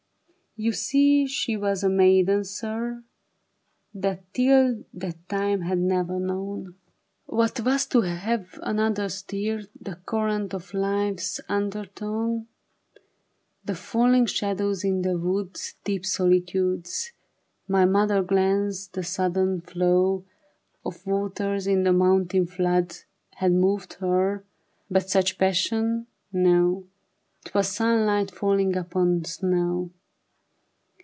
You see she was a maiden, sir. That till that time had never knovm THE BARRICADE. m What 'twas to have another stir The current of Hfe's undertone. The falHng shadows in the woods* Deep soHtudes, My mother glance, the sudden flow Of waters in the mountain floods, Had moved her, but such passion, no ; 'Twas sunhght faUing upon snow.